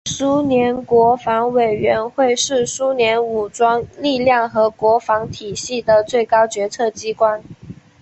苏联国防委员会是苏联武装力量和国防体系的最高决策机关。